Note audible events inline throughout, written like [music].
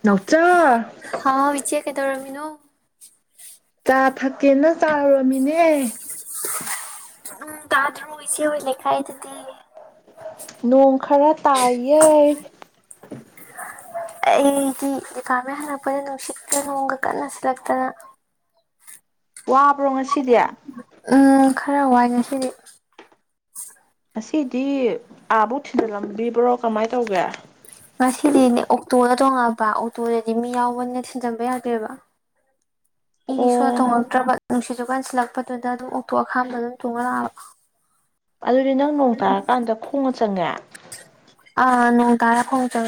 ꯅꯥꯎꯆꯥ ꯍꯥꯎ ꯏꯆꯦ ꯀꯩꯗꯧꯔ ꯏꯅꯣ ꯆꯥ ꯊꯛꯀꯦꯅ ꯆꯥꯔꯨꯔꯃꯤꯅꯦ ꯎꯝ ꯇꯗꯔꯨ ꯏꯁꯤ ꯍꯣꯏ ꯂꯩꯀꯥꯏ ꯗ ꯗꯤ ꯅꯣꯡ ꯈꯔ ꯇꯥꯏꯌꯦ ꯑꯩꯒꯤ ꯗꯤꯄꯥꯔꯠꯃꯦꯟ ꯍꯜꯂꯛꯄꯗ ꯅꯨꯡꯁꯤꯠꯀ ꯅꯣꯡꯒ ꯀꯟꯅ ꯁꯤꯜꯂꯛꯇꯅ ꯋꯥꯕ꯭ꯔꯣ ꯉꯁꯤꯗꯤ ꯎꯝ ꯈꯔ ꯋꯥꯏꯅ ꯍ ꯉꯁꯤꯗꯤ ꯑꯥꯕꯨ ꯊꯤꯟꯖꯤꯜꯂꯝꯕꯤꯕ꯭ꯔꯣ ꯀꯃꯥꯏꯅ ꯇꯧꯒꯦ ꯉꯁꯤꯗꯤꯅꯦ ꯑꯣꯛꯇꯣꯗ ꯇꯣꯡꯉꯑꯕ ꯑꯣꯛꯇꯣꯗꯗꯤ ꯃꯤ ꯌꯥꯎꯕꯅ ꯊꯤꯟꯖꯟꯕ ꯌꯥꯗꯦꯕ ꯑꯩ ꯁ ꯇꯣ ꯑꯣ ꯅꯠꯇ꯭ꯔꯕ ꯅꯨꯡꯁꯤꯠꯖ ꯀꯟꯁꯤꯜꯂꯛꯄꯗꯨꯗ ꯑꯗꯨꯝ ꯑꯣꯛꯇꯣ ꯑꯈꯥꯝꯕ ꯑꯗꯨꯝ ꯊꯣꯡꯍꯜꯂꯛꯑꯕ ꯑꯗꯨꯗꯤ ꯅꯪ ꯅꯣꯡ ꯇꯥꯔꯀꯥꯟꯗ ꯈꯣꯡꯉ ꯆꯉꯦ ꯑꯥ ꯅꯣꯡ ꯇꯔꯥ ꯐ ꯆ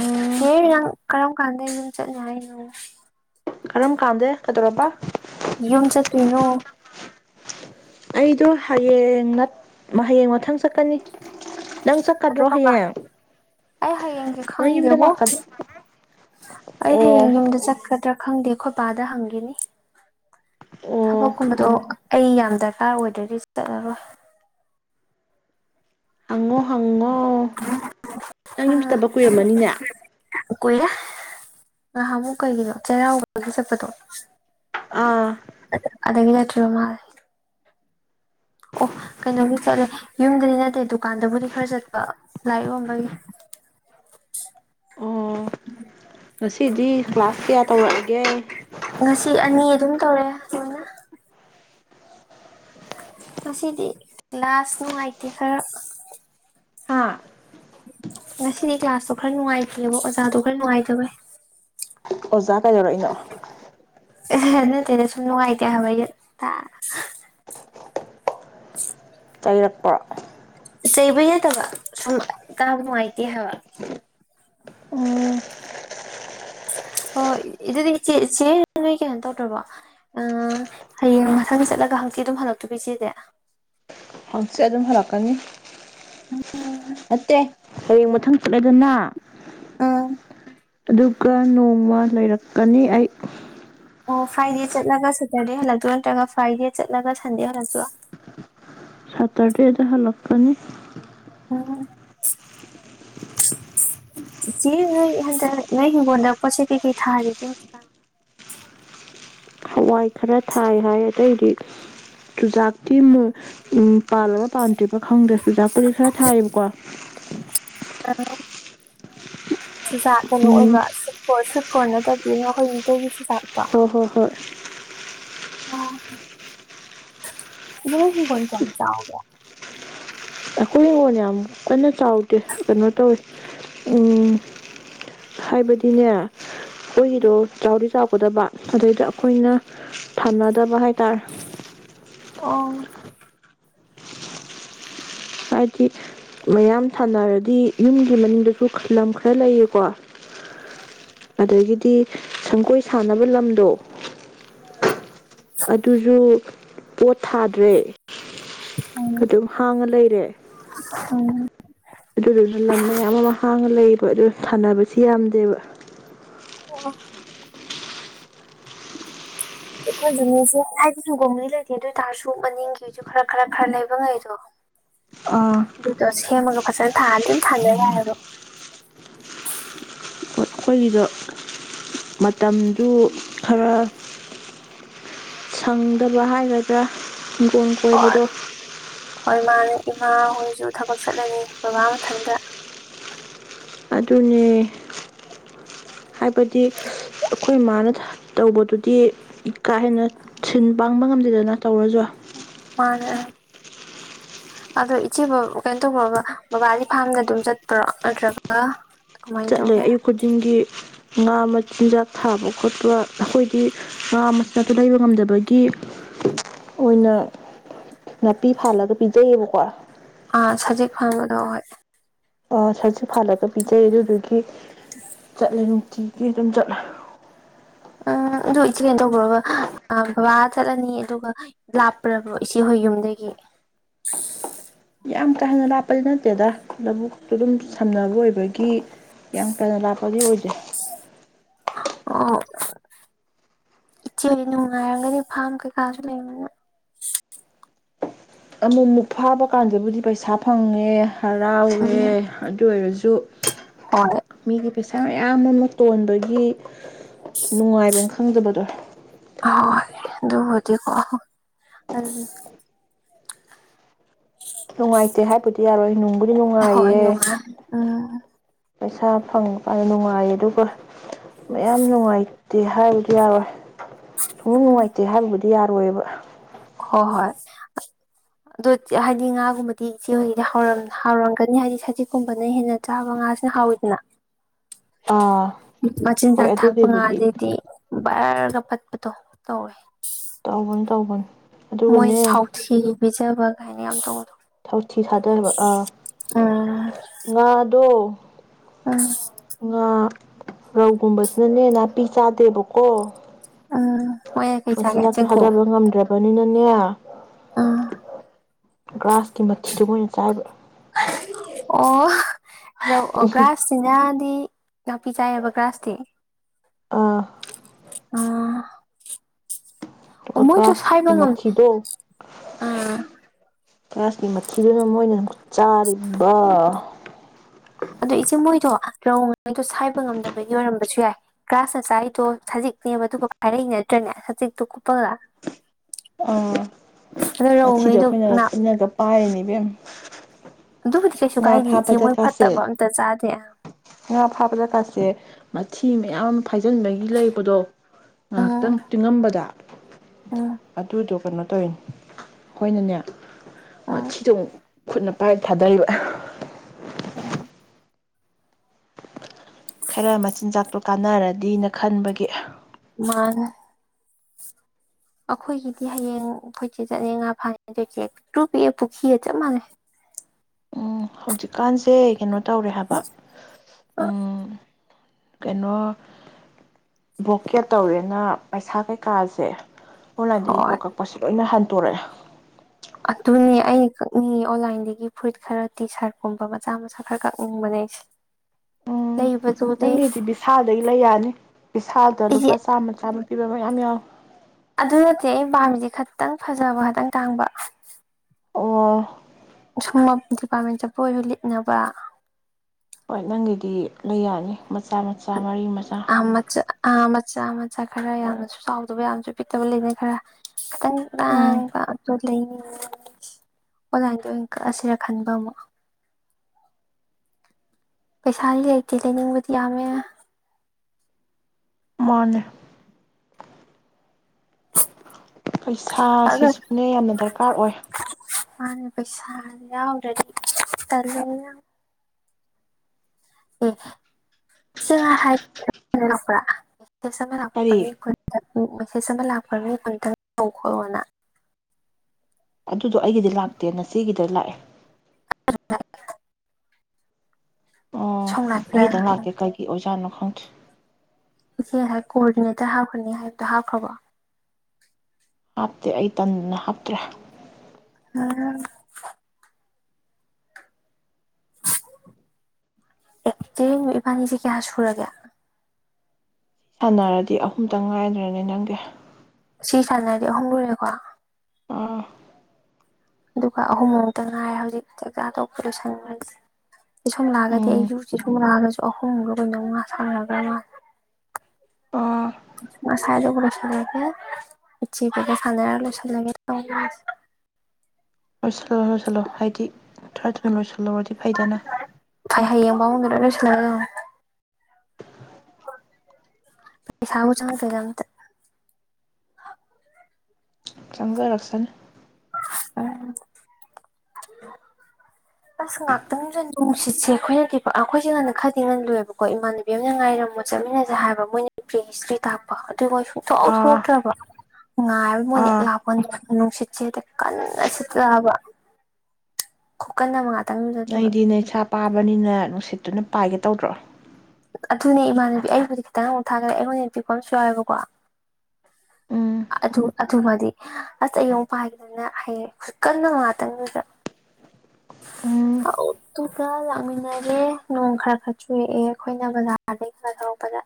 ꯎꯝ ꯀꯦ꯭ꯔ ꯀꯔꯝ ꯀꯥꯟꯗ ꯑꯗꯨꯝ ꯆꯠꯅꯤ ꯍꯥꯏꯅꯣ ꯀꯔꯝ ꯀꯥꯟꯗꯦ ꯀꯩꯗꯧꯔꯕ ꯌꯨꯝ ꯆꯠꯅꯣ ꯑꯩꯗꯣ ꯍꯌꯦꯡ ꯍꯌꯦꯡ ꯃꯊꯪ ꯆꯠꯀꯅꯤ ꯅꯪ ꯑꯗꯨ ꯆꯠꯀꯗ꯭ꯔꯣ ꯀꯕꯥ ꯍꯌꯦꯡ ꯑꯩ ꯍꯌꯦꯡꯁ ꯅꯪ ꯌꯨꯝꯗ ꯈꯪꯗꯦꯕꯣ ꯂꯥꯛꯀ ꯑꯩ ꯑꯣ ꯍꯌꯦꯡ ꯌꯨꯝꯗ ꯆꯠꯀ ꯠꯇ꯭ꯔ ꯈꯪꯗꯦ ꯑꯩꯈꯣꯏ ꯄꯕꯥꯗ ꯍꯪꯒꯦꯅꯤ ꯑꯣ ꯊꯕꯛꯀꯨꯝꯕꯗꯣ ꯑꯩ ꯌꯥꯝ ꯗꯔꯀꯥꯔ ꯑꯣꯏꯗ꯭ꯔꯗꯤ ꯆꯠꯂꯔꯣꯏ ꯑꯉꯣ ꯍꯪꯉꯣ ꯅꯪ ꯑ ꯌꯨꯝꯁꯤꯠꯇꯕ ꯀꯨꯏꯔꯝꯃꯅꯤꯅꯦ ꯀꯨꯏꯔꯦ ꯉ ꯑꯃꯨꯛ ꯀꯩꯒꯤꯅꯣ ꯆꯩꯔꯥꯎꯕꯒꯤ ꯆꯠꯄꯗꯣ ꯑꯥ ꯑꯗꯒꯤꯅ ꯃꯜ ꯑꯣ ꯀꯩꯅꯣꯒꯤ ꯆꯠꯂꯦ ꯌꯨꯝꯒꯤꯗꯤ ꯅꯠꯇꯦ ꯗꯨꯀꯥꯟꯗꯕꯨꯗꯤ ꯈꯔ ꯆꯠꯄ ꯂꯥꯏꯔꯤꯛ ꯌꯣꯟꯝꯕꯒꯤ ꯑꯣ ꯉꯁꯤꯗꯤ ꯀ꯭ꯂꯥꯁ ꯀꯌꯥ ꯇꯧꯔꯛꯒꯦ ꯍꯉ ꯉꯁꯤꯗꯤ ꯂꯥꯁ ꯅꯨꯡꯉꯥꯏꯇꯦ ꯈꯔ ꯍꯥꯥ ꯉꯁꯤꯗꯤ ꯀ꯭ꯂꯥꯁꯇꯣ ꯈꯔ ꯅꯨꯡꯉꯥꯏꯇꯦꯕ ꯑꯣꯖꯥꯗꯣ ꯈꯔ ꯅꯨꯡꯉꯥꯏꯖꯕꯦ ꯑꯣꯖꯥ ꯀꯩꯗꯧꯔꯛꯏꯅꯣ ꯑꯦ ꯅꯠꯇꯦꯅꯦ ꯁꯨꯝ ꯅꯨꯡꯉꯥꯏꯇꯦ ꯍꯥꯏꯕꯣꯏ ꯆꯩꯩꯔꯛꯄ ꯆꯩꯕ ꯌꯥꯗꯕ ꯁꯨꯝ ꯀꯥ ꯅꯨꯡꯉꯥꯏꯇꯦ ꯍꯥꯏꯕ ꯎꯝ ꯑꯣ ꯑꯗꯨꯗꯤ ꯏꯆꯦ ꯏꯆꯦ ꯅꯣꯏ ꯀꯩꯅꯣ ꯇꯧꯗ꯭ꯔꯕꯣ ꯍꯌꯦꯡ ꯃꯁꯪꯗ ꯆꯠꯂꯒ ꯍꯪꯆꯤꯠ ꯑꯗꯨꯝ ꯍꯟꯗꯣꯛꯇꯣꯏꯕꯤ ꯏꯆꯦꯗꯤ ꯄꯁꯦ ꯑꯗꯨꯝ ꯍꯜꯂꯛꯀꯅꯤ ꯃꯦ ꯍꯌꯦꯡ ꯃꯊꯪ ꯆꯠꯂꯗꯨꯅ ꯎꯝ ꯑꯗꯨꯒ ꯅꯣꯡꯃ ꯂꯩꯔꯛ ꯀꯅꯤ ꯑꯩ ꯑꯣ ꯐ꯭ꯔꯥꯏꯗꯦ ꯆꯠꯂꯒ ꯁꯦꯇꯔꯗꯦ ꯍꯜꯂꯛꯇ꯭ꯔꯣ ꯅꯠꯇ꯭ꯔꯒ ꯐ꯭ꯔꯥꯏꯗꯦ ꯆꯠꯂꯒ ꯁꯟꯗꯦ ꯍꯜꯂꯛꯇꯣ ꯁꯇꯔꯗꯨ ꯑꯦꯗ ꯍꯥꯂꯄꯅꯤ ꯎꯝ ꯏꯦ ꯅꯣꯏ ꯍꯟꯗꯛ ꯅꯣꯏ ꯍꯤꯡꯒꯣꯜꯗ ꯄꯣꯠ ꯆꯩ ꯀꯩꯀꯩ ꯊꯥꯔꯤꯒꯦ ꯍꯧꯖꯤꯛꯀꯥꯟ ꯍꯋꯥꯏ ꯈꯔ ꯊꯥꯏ ꯍꯥꯏꯔ ꯑꯇꯩꯗꯤ ꯆꯨꯖꯥꯛꯇꯤ ꯃ ꯄꯥꯜꯂꯒ ꯄꯥꯟꯗ꯭ꯔꯤꯕ ꯈꯪꯗ꯭ꯔꯦ ꯆꯨꯖꯥꯛꯄꯨꯗꯤ ꯈꯔ ꯊꯥꯏꯌꯦꯕꯀꯣ ꯑ ꯆꯨꯖꯥ ꯀꯩꯅꯣ ꯎꯝ ꯑꯣꯏꯕ ꯁꯨꯠꯣ ꯈꯔꯅ ꯇ ꯄꯅꯈꯣꯏ ꯏꯇꯤꯁꯤ ꯆ ꯍꯣꯏ ꯍꯣꯏ ꯍꯣꯏ ꯑ ꯆ ꯆ ꯑꯩꯣꯏ ꯀꯣꯟꯣꯅꯤꯌꯥꯝ ꯀꯣꯏꯩꯅ ꯆꯥꯎꯗꯦ ꯀꯩꯅꯣ ꯇꯧꯋꯦ ꯎ ꯍꯥꯏꯕꯗꯤꯅꯦ ꯑꯣꯏꯣꯏꯔꯣ ꯆꯥꯎꯔꯤ ꯆ ꯀꯗꯕ ꯑꯗꯨꯩꯗ ꯑꯩꯈꯣꯏꯅ ꯊꯝꯅꯗꯕ ꯍꯥꯏꯇꯥꯥꯔꯦ ꯑꯣ ꯍꯥꯏꯗꯤ ꯃꯌꯥꯝ ꯁꯥꯟꯅꯔꯗꯤ ꯌꯨꯝꯒꯤ ꯃꯅꯨꯡꯗꯁꯨ ꯂꯝ ꯈꯔ ꯂꯩꯌꯦꯀꯣ ꯑ ꯑꯗꯒꯤꯗꯤ ꯁꯪꯒꯣꯏ ꯁꯥꯟꯅꯕ ꯂꯝꯗꯣ ꯑꯗꯨꯁꯨ ꯄꯣꯊꯥꯗ꯭ꯔꯦ ꯎꯝ ꯑꯗꯨꯝ ꯍꯥꯡꯉ ꯂꯩꯔꯦ ꯎ ꯑꯗꯨ ꯑꯗꯨ ꯂꯝ ꯃꯌꯥꯝ ꯑꯃ ꯍꯥꯡ ꯂꯩꯕ ꯑꯗꯨ ꯊꯥꯅꯕꯁꯤ ꯌꯥꯝꯗꯦꯕ ꯑꯣ ꯑꯩꯈꯣꯏ ꯃ ꯃꯤꯁꯦ ꯍꯥꯏꯗꯤ ꯁꯪꯒꯣꯝꯅꯤ ꯂꯩꯇꯦ ꯑꯗꯨ ꯑꯣꯏ ꯇꯔꯁꯨ ꯃꯅꯤꯡꯒꯤꯁꯨ ꯈꯔ ꯈꯔ ꯈꯔ ꯂꯩꯕ ꯉꯩꯗꯣ ꯑꯥ ꯇꯁꯦ ꯑꯃ ꯐꯁ ꯊꯥꯗꯤꯅ ꯊꯥꯟꯗ ꯌꯥꯔ ꯑꯩꯈꯣꯏꯒꯤꯗꯣ ꯃꯇꯝꯗꯨ ꯈꯔ ꯁꯪꯗꯕ ꯍꯥꯏꯒꯗ꯭ꯔꯥ ꯒꯣꯝ ꯍꯣꯏ ꯀꯣꯏꯕꯗ ꯍꯣꯏ ꯃꯥꯅ ꯏꯃꯥ ꯍꯣꯏꯁꯨ ꯊꯕꯛ ꯆꯠꯂꯅꯤ ꯭ꯔꯒꯥꯥ ꯃꯊꯟꯇ ꯑꯗꯨꯅꯦ ꯍꯥꯏꯕꯗꯤ ꯑꯩꯈꯣꯏ ꯃꯥꯟꯅ ꯊ ꯇꯧꯕꯗꯨꯗꯤ ꯀꯥ ꯍꯦꯟꯅ ꯁꯤꯟ ꯄꯥꯡꯕ ꯉꯝꯗꯦꯗꯅ ꯇꯧꯔꯁꯨ ꯐꯔ ꯑꯗꯣ ꯏꯆꯦ ꯀꯩꯅꯣ ꯇꯧꯕ꯭ꯔꯣꯕ ꯕꯕꯥꯒꯤ ꯐꯥꯔꯝꯗ ꯑꯗꯨꯝ ꯆꯠꯄ꯭ꯔꯣ ꯅꯠꯇ꯭ꯔꯒ ꯀꯃꯥꯏꯅ ꯆꯠꯂꯦ ꯇꯧꯒꯦ ꯑꯌꯨꯛ ꯈꯨꯗꯤꯡꯒꯤ ꯉꯥ ꯃꯆꯤꯟꯖꯥꯛ ꯊꯥꯕ ꯈꯣꯠꯄ ꯑꯩꯈꯣꯏꯗꯤ ꯉꯥ ꯃꯆꯥꯛꯠꯇ ꯂꯩꯕ ꯉꯝꯗꯕꯒꯤ ꯑꯣꯏꯅ ꯅꯥꯄꯤ ꯐꯥꯜꯂꯒ ꯄꯤꯖꯩꯌꯦꯕꯀꯣ ꯑꯥ ꯁꯖꯤꯛ [inaudible] ꯑ ꯁꯥꯁꯨ ꯐꯥꯜꯂꯒ ꯄꯤꯖꯩ ꯑꯗꯨꯗꯨꯒꯤ ꯆꯠꯂꯦ ꯅꯨꯡꯇꯤꯒꯤ ꯑꯗꯨꯝ ꯆꯠꯂ ꯎꯝ ꯑꯗꯨ ꯏꯆꯦ ꯀꯩꯅꯣ ꯇꯧꯕꯈ꯭ꯔꯣꯕ ꯕꯕꯥ ꯆꯠꯂꯅꯤ ꯑꯗꯨꯒ ꯂꯥꯞꯄ꯭ꯔꯕ꯭ꯔꯣ ꯏꯆꯦꯍꯣꯏ ꯌꯨꯝꯗꯒꯤ ꯌꯥꯝ ꯀꯥ ꯍꯦꯟꯅ ꯂꯥꯞꯄꯗꯤ ꯅꯠꯇꯦꯗ ꯂꯧꯕꯨꯛꯇꯨ ꯑꯗꯨꯝ ꯁꯝꯅꯕ ꯑꯣꯏꯕꯒꯤ ꯌꯥꯝ ꯀꯟꯅ ꯂꯥꯛꯞꯄꯗꯤ ꯑꯣꯏꯁꯦ ꯑꯣ ꯏꯆꯦ ꯍ ꯅꯨꯡꯉꯥꯏꯔꯝꯒꯅꯤ ꯐꯥꯝ ꯀꯩꯀꯥꯁꯨ ꯂꯩꯕꯅꯤꯅ ꯑꯃꯨꯛ ꯑꯃꯨꯛ ꯐꯥꯕ ꯀꯥꯟꯗꯕꯨꯗꯤ ꯄꯩꯁꯥ ꯐꯪꯉꯦ ꯍꯔꯥꯎꯋꯦ ꯎꯝ ꯑꯗꯨ ꯑꯣꯏꯔꯁꯨ ꯍꯣꯏ ꯃꯤꯒꯤ ꯄꯩꯁꯥ ꯃꯌꯥꯝ ꯑꯃ ꯇꯣꯟꯕꯒꯤ ꯅꯨꯡꯉꯥꯏꯕ ꯑꯃ ꯈꯪꯗꯕꯗꯣ ꯍꯣꯏ ꯑꯗꯨꯕꯨꯗꯤꯀꯣ ꯑꯗꯨ ꯅꯨꯡꯉꯥꯏꯇꯦ ꯍꯥꯏꯕꯗꯤ ꯌꯥꯔꯣꯏ ꯅꯨꯡꯕꯨꯗꯤ ꯍꯣꯏ ꯅꯨꯡꯉꯥꯏꯌꯦ ꯅꯨꯡꯉꯥꯏ ꯎꯝ ꯄꯩꯁꯥ ꯐꯪꯕ ꯀꯥꯟꯗ ꯅꯨꯡꯉꯥꯏ ꯑꯗꯨꯒ ꯃꯌꯥꯝ ꯅꯨꯡꯉꯥꯏꯇꯦ ꯍꯥꯏꯕꯗꯤ ꯌꯥꯔꯣꯏ ꯁꯨꯡ ꯅꯨꯡꯉꯥꯏꯇꯦ ꯍꯥꯏꯕꯕꯨꯗꯤ ꯌꯥꯔꯣꯏꯕ ꯍꯣꯏ ꯍꯣꯏ ꯑꯗꯨꯣ ꯍꯥꯏꯗꯤ ꯉꯥꯒꯨꯝꯕꯗꯤ ꯏꯆꯦ ꯍꯗꯤ ꯍꯥꯎꯔꯝꯒꯅꯤ ꯍꯥꯏꯗꯤ ꯁꯖꯤꯛꯀꯨꯝꯕꯅ ꯍꯦꯟꯅ ꯆꯥꯕ ꯉꯥꯁꯤꯅ ꯍꯥꯎꯋꯤꯗꯅ ꯑꯥ ꯇ ꯍꯣꯏ ꯊꯥꯛꯄꯣ ꯑꯗꯨꯒꯤꯕꯨꯗꯤ ꯉꯗꯗꯤ ꯔꯒ ꯐꯠꯄꯊ ꯇ ꯑꯣꯏ ꯇꯒꯅꯤ ꯇꯒꯅꯤ ꯃꯣꯏ ꯊꯥꯎꯊꯤꯕꯤꯖꯕꯛ ꯀꯥꯏꯅꯤ ꯌꯥꯝ ꯑꯃ ꯇꯧꯕꯗꯣ ꯊꯧꯊꯤ ꯊꯥꯗꯑꯕ ꯑꯥ ꯎꯝ ꯉꯥꯗꯣ ꯎꯝ ꯉ ꯔꯧꯒꯨꯝꯕꯁꯤꯅꯅꯦ ꯅꯥꯄꯤ ꯆꯥꯗꯦꯕꯀꯣ ꯎꯝ ꯃꯣꯏꯅ ꯀꯩ ꯆꯥꯒꯦ ꯃꯆꯤꯟꯖꯥꯛꯇꯣ ꯆꯦꯡꯀꯨꯞ ꯍꯥꯗꯣꯛꯕ ꯉꯝꯗ꯭ꯔꯕ ꯅꯤꯅꯅꯦ ꯎꯝ ꯒ꯭ꯔꯥꯁꯀꯤ ꯃꯊꯤꯗꯣ ꯃꯣꯏꯅ ꯆꯥꯏꯕ꯭ꯔ ꯑꯣ ꯑꯒ꯭ꯔꯥꯁꯁꯤꯡꯅꯗꯤ ꯅꯥꯄꯤ ꯆꯥꯏꯑꯕ ꯒ꯭ꯔꯥꯁꯇꯤ ꯑꯥ ꯑꯥ ꯑꯣ ꯑꯗꯨꯒ ꯃꯣꯏ ꯇ ꯒ꯭ꯔꯥꯁꯀꯤ ꯁꯥꯏꯕꯉꯥꯡ ꯃꯊꯤꯗꯣ ꯑ ꯒ꯭ꯌꯥꯁꯀꯤ ꯃꯊꯤꯗꯨꯅ ꯃꯣꯏꯅꯛ ꯆꯥꯔꯤꯕ ꯔꯧ ꯃꯉꯩꯗꯣ ꯁꯥꯏꯕ ꯉꯝꯗꯕꯒꯤ ꯌ ꯑꯣꯏꯔꯝꯕꯁꯨ ꯌꯥꯏ ꯒ꯭ꯔꯥꯁ ꯃꯆꯥ ꯑꯩꯗꯣ ꯁꯖꯤꯛꯅꯦꯕ ꯑꯗꯨꯒ ꯄꯥꯏꯔꯛꯏ ꯅꯠꯇ꯭ꯔꯅꯦ ꯁꯖꯤꯛꯇꯣ ꯀꯨꯞꯄꯒ ꯑꯥ ꯑꯗꯣ ꯃꯁꯤꯤꯗꯣ ꯔꯧꯉꯩꯗꯣ ꯑꯩꯈꯣꯏꯅ ꯉꯥ ꯈꯅꯒ ꯄꯑꯅꯤꯕꯤ ꯑꯗꯨꯕꯨꯗꯤ ꯀꯩꯁꯨ ꯀꯥꯏꯗꯦ ꯏꯆꯦ ꯃꯣꯏ ꯐꯠꯇꯕ ꯑꯝꯇ ꯆꯥꯗꯦ ꯑ ꯉꯥ ꯐꯥꯕ ꯖꯒꯥꯁꯦ ꯃꯊꯤ ꯃꯌꯥꯝ ꯐꯥꯏꯖꯤꯟꯕꯒꯤ ꯂꯩꯕꯗꯣ ꯉꯥꯏꯍꯥꯛꯇꯪ ꯎꯝ ꯇꯤꯡꯉꯝꯕꯗ ꯎꯝ ꯑꯗꯨ ꯗꯣꯛ ꯀꯩꯅꯣ ꯇꯧꯔꯤꯅꯤ ꯍꯣꯏꯅꯅꯦ ꯎꯝ ꯃꯊꯤꯁꯨ ꯑꯃꯨꯛ ꯈꯨꯠꯅ ꯄꯥꯏꯞ ꯊꯥꯗꯔꯤꯕ ꯑꯥ ꯈꯔ ꯃꯆꯤꯟꯖꯥꯛꯇꯣ ꯀꯥꯟꯅꯔꯗꯤꯅ ꯈꯟꯕꯒꯤ ꯃꯥ ꯑꯩꯈꯣꯏꯒꯤꯗꯤ ꯍꯌꯦꯡ ꯑꯩꯈꯣꯏꯆꯦ ꯆꯠꯅ ꯉꯥ ꯐꯥꯉꯦ ꯑꯗꯨꯣꯏꯆꯦ ꯇ꯭ꯔꯨ ꯄꯑꯦ ꯄꯨꯈ꯭ꯔꯤꯑ ꯆꯞ ꯃꯥꯟꯂꯦ ꯎꯝ ꯍꯧꯖꯤꯛꯀꯥꯟꯁꯦ ꯀꯩꯅꯣ ꯇꯧꯔꯦ ꯍꯥꯏꯕ ꯎꯝ ꯀꯩꯅꯣ ꯕꯣꯛꯀꯦ ꯇꯧꯔꯦꯅ ꯄꯩꯁꯥ ꯀꯩꯀꯥꯁꯦ ꯑꯣꯟꯂꯥꯏꯟꯗꯒꯤ ꯍꯣꯏ ꯄꯣꯛ ꯀꯛꯄꯁꯤ ꯂꯣꯏꯅ ꯍꯟꯊ ꯇꯣꯔꯛꯑꯦ ꯑꯗꯨꯅꯦ ꯑꯩꯩꯅ ꯀꯛꯅꯤꯡꯉ ꯑꯣꯟꯂꯥꯏꯟꯗꯒꯤ ꯐꯨꯔꯤꯠ ꯈꯔ ꯇꯤ ꯁꯥꯔꯠꯀꯨꯝꯕ ꯃꯆꯥ ꯃꯆꯥ ꯈꯔ ꯀꯛꯅꯤꯡꯕꯅꯦ ꯑꯩꯁꯦ ꯂꯩ ꯎꯝ ꯅꯪꯒꯤꯗꯤ ꯕꯤꯁꯥꯗꯒꯤ ꯂꯩ ꯌꯥꯅꯤ ꯕꯤꯁꯥꯜꯗ ꯂꯨꯄꯥ ꯏꯆꯦ ꯆꯥꯝꯃ ꯆꯥꯝꯃ ꯀ ꯑ ꯌꯥ ꯑꯗꯨ ꯅꯠꯇꯦ ꯑꯩꯅ ꯄꯥꯝꯃꯤꯁꯦ ꯈꯇꯪ ꯐꯖꯕ ꯈꯇꯪ ꯇꯥꯡꯕ ꯑꯣ ꯁꯨꯝ ꯗꯤꯄꯥꯔꯠꯃꯦꯟ ꯆꯠꯄꯣꯏꯁꯨ ꯂꯤꯠꯅꯕ ꯍꯣꯏ ꯅꯪꯒꯤꯗꯤ ꯂꯩ ꯌꯥꯅꯤ ꯃꯆꯥ ꯃꯆꯥ ꯃꯔꯤ ꯃꯆꯥ ꯃꯆꯥ ꯃꯆꯥ ꯃꯆꯥ ꯈꯔ ꯌꯥꯝꯅꯁꯨ ꯆꯥꯎꯗꯕ ꯌꯥꯝꯅꯁꯨ ꯄꯤꯛꯇꯕ ꯂꯩꯅ ꯈꯔ ꯈꯤꯇꯪ ꯎꯝ ꯉꯥꯡꯕ ꯂꯩ ꯑꯣꯟꯂꯥꯏꯟꯗ ꯑꯣꯏꯅ ꯀꯛꯑꯁꯤꯔ ꯈꯟꯕ ꯑꯃꯨꯛ ꯄꯩꯁꯥ ꯂꯩꯇꯦ ꯂꯩꯅꯤꯡꯕꯗꯤ ꯌꯥꯝꯃꯦ ꯃꯅꯤ ꯑꯗ ꯄꯩꯁꯥꯁꯤꯁꯨꯅꯦ ꯌꯥꯝꯅ ꯗꯔꯀꯥꯔ ꯑꯣꯏ ꯃꯥꯅꯦ ꯄꯩꯁꯥꯔ ꯇ [unintelligible] [unintelligible] ꯃꯦꯁꯦꯖ ꯀꯔꯤ ꯑꯃ ꯂꯥꯛꯈ꯭ꯔꯅꯤ ꯑꯃꯨꯇꯪ ꯇꯧ ꯈꯣꯠꯂꯣꯅ ꯑꯗꯨꯗꯣ ꯑꯩꯒꯤꯗꯤ ꯂꯥꯛꯇꯦꯅ ꯁꯤꯒꯤꯗ ꯂꯥꯛꯑꯦ ꯑ ꯑꯣ ꯅꯥꯀꯟꯗ ꯑꯩꯗꯪ ꯂꯥꯛꯀꯦ ꯀꯩꯒꯤ ꯑꯣꯏꯖꯥꯠꯅꯣ ꯥꯎ ꯏꯆꯦ ꯉꯁꯥꯏ ꯀꯣꯑꯣꯔꯗꯤꯅꯦꯇꯔ ꯍꯥꯞꯄꯅꯤ ꯍꯥꯏꯕꯗꯣ ꯍꯥꯞꯈ꯭ꯔꯕꯣ ꯍꯥꯞꯇꯦ ꯑꯩ ꯇꯟꯅ ꯍꯥꯞꯇ꯭ꯔꯦ ꯎꯝ ꯑꯦꯇꯔꯤ ꯏꯕꯥꯅꯤꯁꯤ ꯀꯌꯥ ꯁꯨꯔꯒꯦ ꯁꯥꯟꯅꯔꯗꯤ ꯑꯍꯨꯝꯇꯪ ꯉꯥꯏꯗ꯭ꯔꯅꯦ ꯅꯪꯒꯤ ꯁꯤ ꯁꯥꯟꯅꯔꯗꯤ ꯑꯍꯨꯝ ꯂꫭꯏꯔꯦꯀꫭ ꯑꯥ ꯑꯗꯨꯒ ꯑꯍꯨꯝ ꯑꯃꯨꯛꯇ ꯉꯥꯏꯦ ꯍꯧꯖꯤꯛ ꯆꯥꯛꯆꯥ ꯇꯧꯕ ꯂꯣꯏꯁꯟꯈꯁꯦ ꯑ ꯁꯨꯝ ꯂꯥꯛꯑꯒꯗꯤ ꯎꯝ ꯑꯩꯁꯨꯁꯤꯦ ꯁꯨꯝ ꯂꯥꯛꯑꯒꯁꯨ ꯑꯍꯨꯝ ꯂ ꯂꯣꯏꯅ ꯉꯥ ꯁꯪꯅꯒ꯭ꯔ ꯃꯥꯜꯂꯦ ꯑ ꯃꯁꯥꯏꯗꯕꯨꯁ ꯂꯦ ꯏꯆ ꯁꯥꯟꯗꯁ ꯂꯦ ꯊꯠꯁ ꯍꯥꯏꯥꯏ ꯍ ꯌꯦꯡꯕ ꯑꯃꯗꯅ ꯁꯂꯦ ꯑ [unintelligible] ꯆꯠꯂꯨꯁꯦ ꯑꯝꯇ ꯆꯪꯖꯔꯛꯁꯅꯤ ꯎꯝ ꯑꯁ ꯉꯥꯛꯇꯪꯗ ꯅꯨꯡꯁꯤꯠꯁꯦ ꯑꯩꯈꯣꯏꯅꯗꯤ ꯑꯩꯈꯣꯏꯁꯦ ꯉꯟꯅ ꯈꯔꯗꯤ ꯉꯟꯅ ꯂꯦꯕꯀꯣ ꯏꯃꯥꯟꯅꯕꯤ ꯑꯃꯅ ꯉꯥꯏꯔꯝꯃꯣ ꯆꯠꯃꯤꯟꯅꯁꯦ ꯍꯥꯏꯕ ꯃꯣꯏꯅ ꯄ꯭ꯔꯤ ꯍꯤꯁꯇ꯭ꯔꯤ ꯇꯥꯛꯄ꯫ ꯑꯗꯨ ꯃꯣꯏ ꯁꯨꯡꯊꯣꯛ ꯑꯥ ꯊꯣꯛꯂꯇ꯭ꯔꯕ ꯉꯥꯏꯕ ꯃꯣꯏꯅ ꯍꯦꯛ ꯑꯥ ꯂꯥꯛꯄꯒ ꯅꯨꯡꯁꯤꯠ ꯆꯦꯗꯥ ꯀꯟꯅ ꯁꯤꯠꯇꯔ ꯍꯥꯕ ꯈꯨꯀꯟ ꯑꯃ ꯉꯥ ꯅꯣꯏꯗꯤ ꯅꯁꯥ ꯄꯥꯕꯅꯤꯅ ꯅꯨꯡꯁꯤꯠ ꯑꯗꯨꯅ ꯄꯥꯏꯒꯦ ꯇꯧꯗ꯭ꯔꯣ꯫ ꯑꯗꯨꯅꯦ ꯏꯃꯥꯟꯅꯕꯤ ꯑꯩꯕꯨꯗꯤ ꯈꯤꯇꯪ ꯑꯃꯨꯛ ꯊꯥꯒꯠꯂꯦ ꯑꯩꯉꯣꯟꯗꯒꯤ ꯍꯦꯟꯅꯄꯤꯛꯄ ꯑꯃꯁꯨ ꯌꯥꯎꯌꯦꯕꯀꯣ ꯎꯝ ꯑꯗꯨ ꯑꯗꯨꯃꯗꯤ ꯑꯁ ꯑꯩꯑꯃꯨꯛ ꯄꯥꯏꯈꯤꯗꯅ ꯍꯌꯦ ꯀꯟꯕ ꯉꯥꯛꯇꯥꯅꯦꯕ ꯎꯝ ꯑꯗꯨꯒ ꯂꯥꯛꯃꯤꯟꯅꯔꯦ ꯅꯣꯡ ꯈꯔ ꯈꯔ ꯆꯨꯔꯛꯑꯦ ꯑꯩꯈꯣꯏꯅ ꯕꯖꯥꯔꯗꯒꯤ ꯈꯔ ꯊꯧꯔꯛꯄꯗ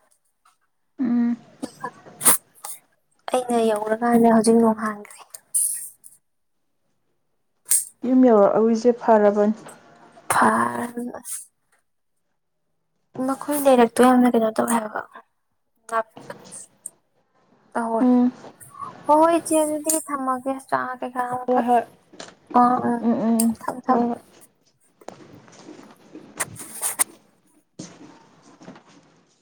ꯎꯝ ꯑꯩꯅ ꯌꯧꯔꯀꯥꯟꯗ ꯍꯧꯖꯤꯛ ꯅꯣꯡꯍꯥꯡꯈ꯭ꯔꯦ꯫ ꯌꯨꯝ ꯌꯎꯔꯛ ꯑꯝꯃꯤꯁꯦ ꯐꯔꯕꯅꯤ꯫ ꯑꯥ ꯃꯈꯣꯏ ꯂꯩꯔꯛꯇꯣ ꯌꯥꯝꯅ ꯀꯩꯅꯣ ꯇꯧꯌꯦ ꯍꯥꯏꯕ [unintelligible] ꯑꯍꯣꯏ ꯎꯝ ꯍꯣꯏ ꯍꯣꯏ ꯏꯆꯦ ꯑꯗꯨꯗꯤ ꯊꯝꯃꯒꯦ꯫ [unintelligible] ꯍꯣꯏ ꯊꯛ ꯍꯣꯏ ꯎꯝ ꯎꯝ ꯎꯝ ꯊꯝꯃꯣ ꯍꯣꯏ ꯊꯝꯃꯣ꯫ ꯍꯣꯏ